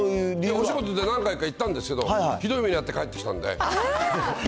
お仕事で何回か行ったんですけど、ひどい目に遭って帰ってきたんで。